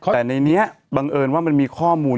แต่ในนี้บังเอิญว่ามันมีข้อมูล